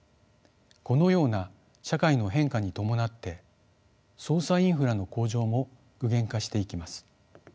このような社会の変化に伴って捜査インフラの向上も具現化していきます。